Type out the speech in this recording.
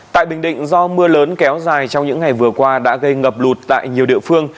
tại bình định do mưa lớn kéo dài trong những ngày vừa qua đã gây ngập lụt tại nhiều địa phương